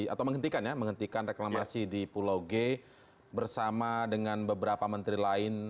atau menghentikan ya menghentikan reklamasi di pulau g bersama dengan beberapa menteri lain